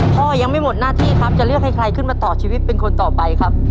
พ่อยังไม่หมดหน้าที่ครับจะเลือกให้ใครขึ้นมาต่อชีวิตเป็นคนต่อไปครับ